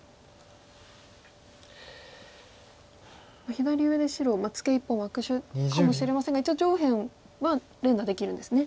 左上で白ツケ１本は悪手かもしれませんが一応上辺は連打できるんですね。